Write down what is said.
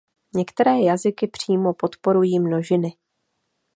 Některé jazyky přímo podporují množiny.